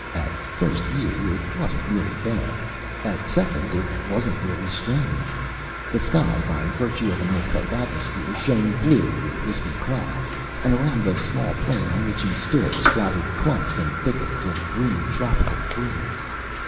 At first view it wasn't really bad. At second, it wasn't really strange. The sky, by virtue of an Earth type atmosphere, shone blue with wispy clouds, and around the small plain on which he stood sprouted clumps and thickets of green tropical trees.